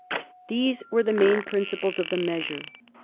These were the main principles of the measure.